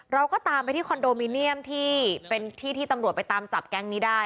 เราก็ตามไปที่คอนโดมิเนียมที่เป็นที่ที่ตำรวจไปตามจับแก๊งนี้ได้